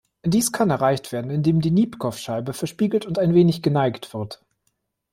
Dies kann erreicht werden, indem die Nipkow-Scheibe verspiegelt und ein wenig geneigt wird.